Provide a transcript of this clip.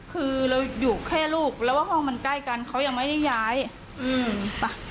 คือเราอยู่แค่ลูกแล้วว่าห้องมันใกล้กันเขายังไม่ได้ย้ายอืมไป